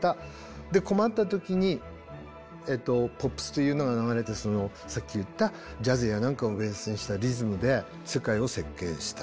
で困った時にポップスというのが流れてさっき言ったジャズや何かをベースにしたリズムで世界を席けんした。